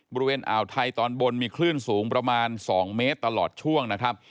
บริเวณอ่าวไทยตอนบนมีคลื่นสูงประมาณ๒เมตรตลอดช่วงนะครับ